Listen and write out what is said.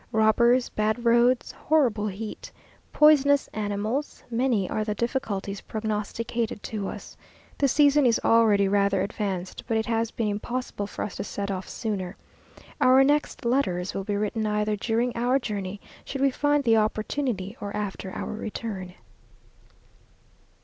Robbers, bad roads, horrible heat, poisonous animals; many are the difficulties prognosticated to us. The season is already rather advanced, but it has been impossible for us to set off sooner. Our next letters will be written either during our journey, should we find the opportunity, or after our return.